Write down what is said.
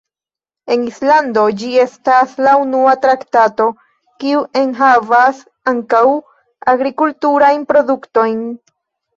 Por Islando, ĝi estas la unua traktato, kiu enhavas ankaŭ agrikulturajn produktojn.